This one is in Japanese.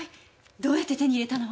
どうやって手に入れたの？